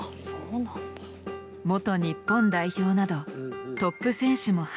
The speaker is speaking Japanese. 元日本代表などトップ選手も輩出。